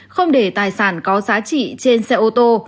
không để tài sản có giá trị trên xe ô tô